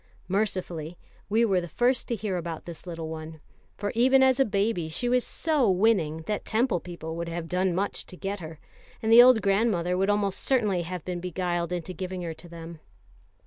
Mercifully we were the first to hear about this little one; for even as a baby she was so winning that Temple people would have done much to get her, and the old grandmother would almost certainly have been beguiled into giving her to them.